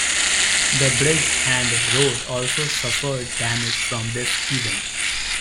The bridge and road also suffered damage from this event.